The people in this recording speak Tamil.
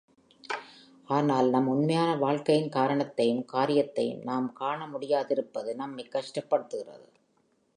ஆனால், நம் உண்மையான வாழ்க்கையின் காரணத்தையும் காரியத்தையும் நாம் காண முடியாதிருப்பது நம்மைக் கஷ்டப்படுத்துகிறது.